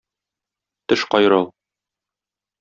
Теш кайрау.